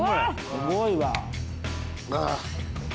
すごいわ。